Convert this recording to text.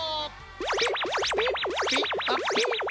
ピッピッピッあっピッ！